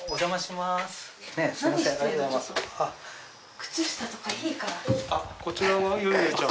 靴下とかいいから。